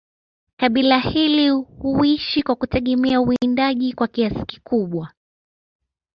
kabila hili huishi kwa kutegemea uwindaji kwa kiasi kikubwa